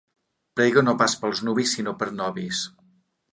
Prega no pas pels nuvis sinó per nobis.